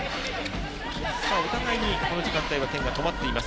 お互いにこの時間帯は点が止まっています。